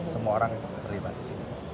semua orang terlibat disini